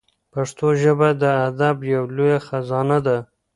پښتو ژبه د ادب یوه لویه خزانه ده.